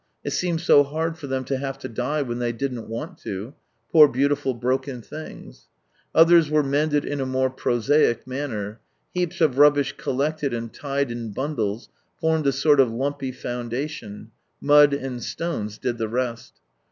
It seemed so hard for them to have to die when they didn't wanl to — poor beautiful broken things ! Others were mended in a more prosaic manner. Heaps of rubbish collected and tied in bundles, formed a sort of lumpy foundation, mud and stones did the rest.